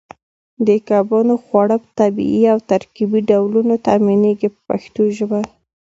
د کبانو خواړه په طبیعي او ترکیبي ډولونو تامینېږي په پښتو ژبه.